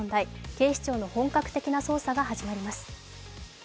警視庁の本格的な捜査が始まります。